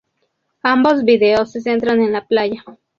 Ambos videos se centran en la playa.